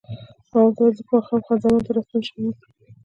ما ورته وویل: زه په ماښام کې خان زمان ته راستون شوی یم.